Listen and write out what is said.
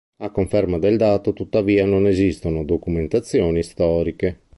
A conferma del dato, tuttavia, non esistono documentazioni storiche.